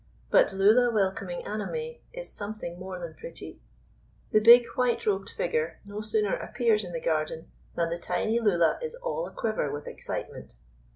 But Lulla welcoming Annamai is something more than pretty. The big white robed figure no sooner appears in the garden than the tiny Lulla is all a quiver with excitement.